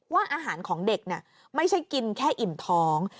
อาหารของเด็กไม่ใช่กินแค่อิ่มท้อง